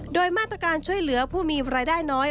โดยมาตรการช่วยเหลือผู้มีรายได้น้อย